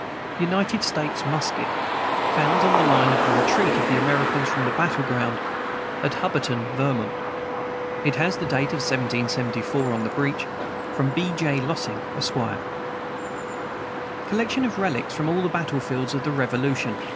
United States musket, found on the line of the retreat of the Americans from the battle ground at Hubbardton, Vermont. It has the date of 1774 on the breech. From B. J. Lossing, Esq. Collection of relics from all the battle fields of the Revolution.